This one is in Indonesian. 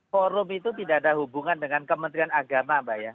forum itu tidak ada hubungan dengan kementerian agama mbak ya